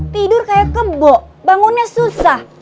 tidur kayak kebo bangunnya susah